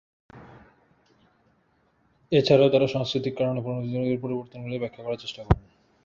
এছাড়াও তারা সাংস্কৃতিক পরিবর্তন অনুসরণ করেন এবং এই পরিবর্তনগুলি ব্যাখ্যা করার চেষ্টা করেন।